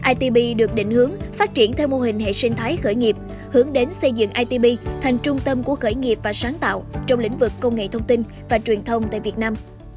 itb được định hướng phát triển theo mô hình hệ sinh thái khởi nghiệp hướng đến xây dựng itb thành trung tâm của khởi nghiệp và sáng tạo trong lĩnh vực công nghệ thông tin và truyền thông tại việt nam